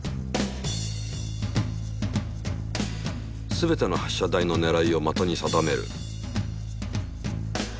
すべての発射台のねらいを的に定める。